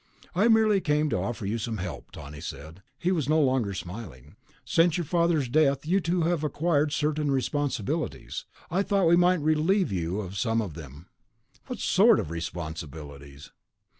"I merely came to offer you some help," Tawney said. He was no longer smiling. "Since your father's death, you two have acquired certain responsibilities. I thought we might relieve you of some of them." "What sort of responsibilities?"